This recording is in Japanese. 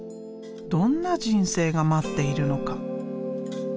どんな人生が待っているのか。